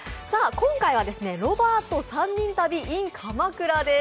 今回は「ロバート３人旅ｉｎ鎌倉」です。